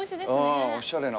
あららおしゃれな。